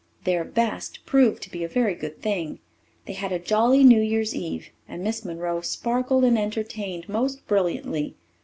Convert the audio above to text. Their "best" proved to be a very good thing. They had a jolly New Year's Eve, and Miss Monroe sparkled and entertained most brilliantly.